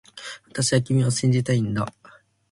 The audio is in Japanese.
私は君を信じたいんだ